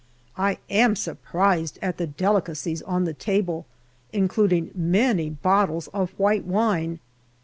I am surprised at the delicacies on the table, including many bottles of white wine.